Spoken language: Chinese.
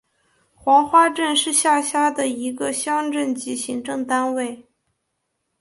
黄花镇是下辖的一个乡镇级行政单位。